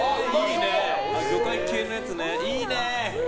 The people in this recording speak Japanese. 魚介系のやつね、いいね！